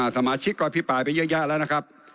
สมาชิกก็อภิปรายไปเยอะแยะแล้วนะครับ